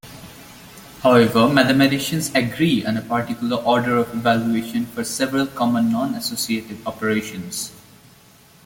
However, mathematicians agree on a particular order of evaluation for several common non-associative operations.